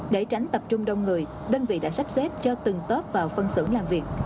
để tránh tập trung đông người đơn vị đã sắp xếp cho từng tớp vào phân xử làm việc